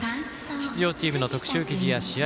出場チームの特集記事や試合